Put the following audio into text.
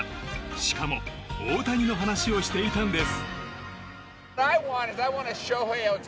しかも大谷の話をしていたんです。